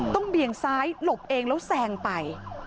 ต้องเบียงซ้ายหลบเองแล้วแสงไป